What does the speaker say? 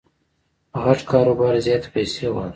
غټ کاروبار زیاتي پیسې غواړي.